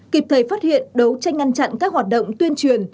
kịp thời phát hiện đấu tranh ngăn chặn các hoạt động tuyên truyền